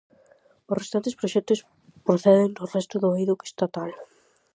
Os restantes proxectos proceden do resto do eido estatal.